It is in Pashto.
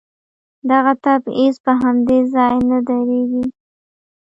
دغه تبعيض په همدې ځای نه درېږي.